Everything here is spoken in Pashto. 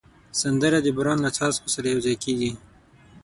سندره د باران له څاڅکو سره یو ځای کېږي